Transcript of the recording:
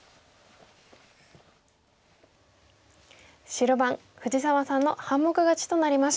白番藤沢さんの半目勝ちとなりました。